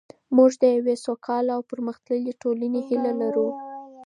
موږ د یوې سوکاله او پرمختللې ټولنې هیله لرو.